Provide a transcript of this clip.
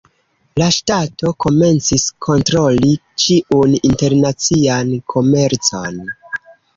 La ŝtato komencis kontroli ĉiun internacian komercon.